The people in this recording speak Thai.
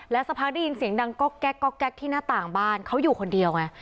สักพักได้ยินเสียงดังก๊อกแก๊กที่หน้าต่างบ้านเขาอยู่คนเดียวไง